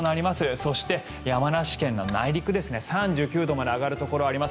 そして山梨県の内陸、３９度まで上がるところがあります。